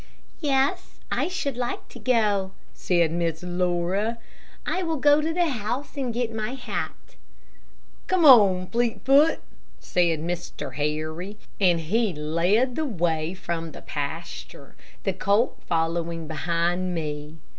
"Yes, I should like to go," said Miss Laura, "I will go to the house and get my other hat." "Come on, Fleetfoot," said Mr. Harry. And he led the way from the pasture, the colt following behind with me.